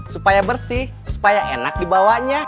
supaya bersih supaya enak dibawanya